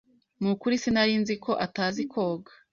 Nukuri sinari nzi ko atazi koga.